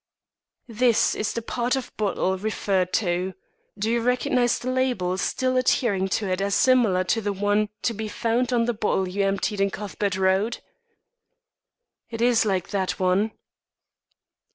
"This is the part of bottle referred to. Do you recognise the label still adhering to it as similar to the one to be found on the bottle you emptied in Cuthbert Road?" "It is like that one."